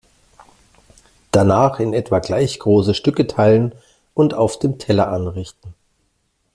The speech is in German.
Danach in etwa gleich große Stücke teilen und auf dem Teller anrichten.